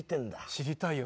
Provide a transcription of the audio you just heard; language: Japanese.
知りたいよ